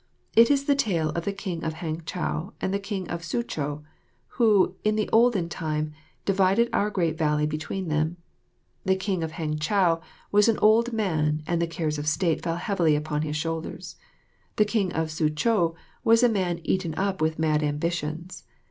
It is the tale of the King of Hangchow and the King of Soochow who, in the olden time, divided our great valley between them. The King of Hangchow was an old man and the cares of state fell heavily upon his shoulders. The King of Soochow was a man, eaten up with mad ambitions.